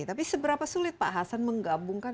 tapi seberapa sulit pak hasan menggabungkan